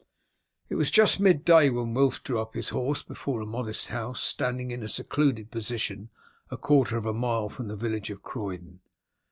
It was just mid day when Wulf drew up his horse before a modest house standing in a secluded position a quarter of a mile from the village of Croydon.